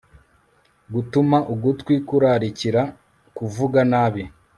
Gutuma ugutwi kurarikira kuvuga nabi